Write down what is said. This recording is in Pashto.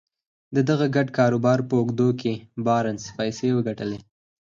د دغه ګډ کاروبار په اوږدو کې بارنس پيسې وګټلې.